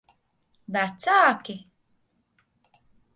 Vecāki?